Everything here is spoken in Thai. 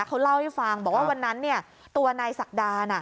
เขาเล่าให้ฟังบอกว่าวันนั้นตัวนายศักดา